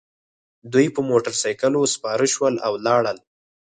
دوی په موټرسایکلونو سپاره شول او لاړل